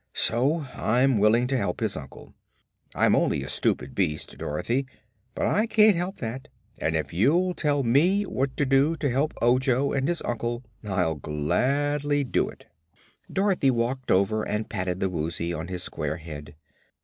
So I'm willing to help his uncle. I'm only a stupid beast, Dorothy, but I can't help that, and if you'll tell me what to do to help Ojo and his uncle, I'll gladly do it." Dorothy walked over and patted the Woozy on his square head.